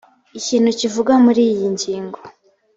ikintu kivugwa muri iyi ngingo